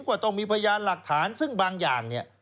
ก็ต้องมีพยานหลักฐานซึ่งบางอย่างเนี่ย